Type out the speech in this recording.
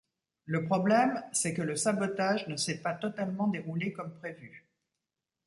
Le problème, c'est que le sabotage ne s'est pas totalement déroulé comme prévu.